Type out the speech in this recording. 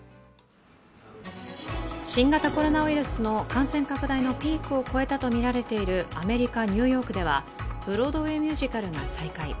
新型コロナウイルスの感染拡大のピークを超えたとみられているアメリカ・ニューヨークではブロードウェイミュージカルが再開。